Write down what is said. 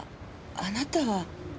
あなたは。